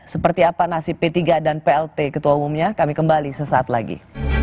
seperti apa nasib p tiga dan plt ketua umumnya kami kembali sesaat lagi